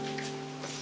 sampai jumpa lagi